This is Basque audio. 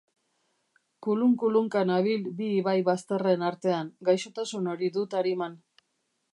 Kulunkulunka nabil bi ibai bazterren artean, gaixotasun hori dut ariman.